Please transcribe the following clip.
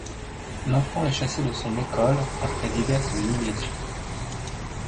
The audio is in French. L'enfant est chassé de son école, après diverses humiliations.